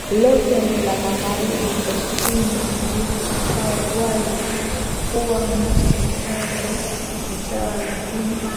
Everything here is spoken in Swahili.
lote la Magharibi Augustino anaweka wazi kuwa Nafsi tatu ni sawa lakini